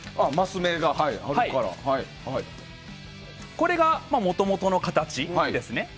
これがもともとの形ですね。